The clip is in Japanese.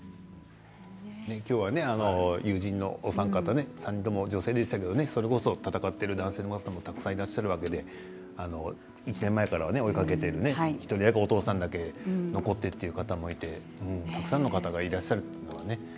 今日は友人のお三方３人とも女性でしたけどそれこそ戦っている男性の方もたくさんいらっしゃるわけで１年前から追いかけている１人だけお父さんだけ残ってという方もいてたくさんの方がいらっしゃるというのはね